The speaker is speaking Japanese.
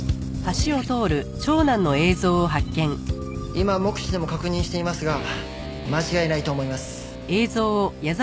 今目視でも確認していますが間違いないと思います。